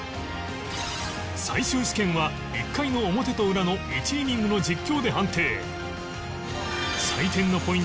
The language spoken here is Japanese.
最終試験は１回の表と裏の１イニングの実況で判定